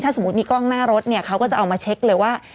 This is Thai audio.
ถ้าสมมติมีกล้องหน้ารถเขาก็จะเอามาเช็คเลยว่า